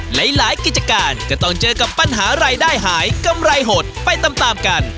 หลายกิจการก็ต้องเจอกับปัญหารายได้หายกำไรหดไปตามตามกัน